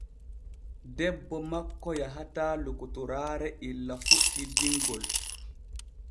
Debbo makko yahataa lokotoraare illa fuɗɗi dinŋol.